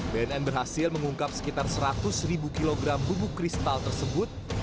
bnn berhasil mengungkap sekitar seratus kg bubuk kristal tersebut